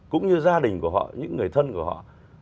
cũng như gia đình của họ những người thân của họ